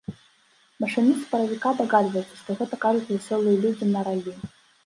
Машыніст з паравіка дагадваецца, што гэта кажуць вясёлыя людзі на раллі.